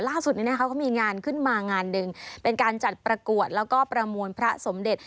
ล่าสุดนี้นะคะเขามีงานขึ้นมางานหนึ่งเป็นการจัดประกวดแล้วก็ประมวลพระสมเด็จ